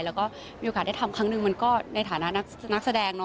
แล้วก็มีโอกาสได้ทำครั้งหนึ่งมันก็ในฐานะนักแสดง